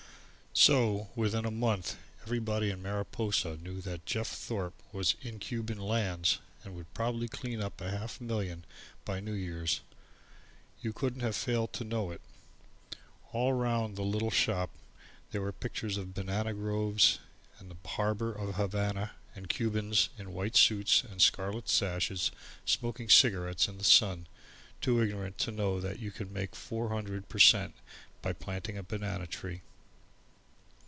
So within a month, everybody in Mariposa knew that Jeff Thorpe was "in Cuban lands" and would probably clean up half a million by New Year's. You couldn't have failed to know it. All round the little shop there were pictures of banana groves and the harbour of Habana, and Cubans in white suits and scarlet sashes, smoking cigarettes in the sun and too ignorant to know that you can make four hundred per cent. by planting a banana tree.